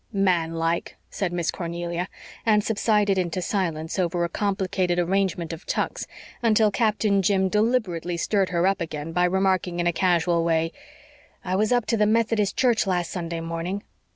"Man like," said Miss Cornelia, and subsided into silence over a complicated arrangement of tucks until Captain Jim deliberately stirred her up again by remarking in a casual way: "I was up to the Methodist church last Sunday morning."